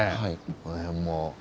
この辺も。